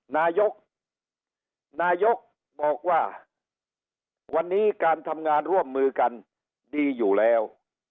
นายกนายกบอกว่าวันนี้การทำงานร่วมมือกันดีอยู่แล้ว